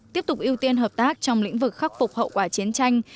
tiếp tục ưu tiên hợp tác trong lĩnh vực khắc phục hậu quả chiến tranh